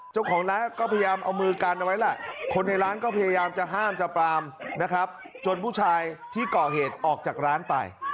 เจ้าของร้านก็พยายามเอามือกันเอาไว้แหละคนในร้านก็พยายามจะห้ามจะปรามนะครับจนผู้ชายที่ก่อเหตุออกจากร้านไป